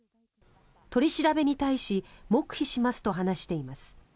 取り調べに対し黙秘しますと話しています。